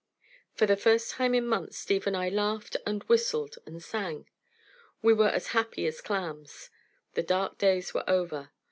For the first time in months Steve and I laughed and whistled and sang. We were as happy as clams. The dark days were over.